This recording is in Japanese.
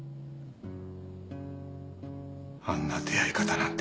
あんな出会い方なんて。